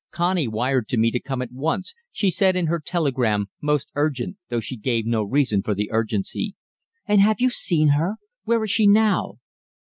Connie wired to me to come at once she said in her telegram 'most urgent,' though she gave no reason for the urgency." "And have you seen her? Where is she now?"